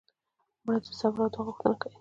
مړه د صبر او دعا غوښتنه کوي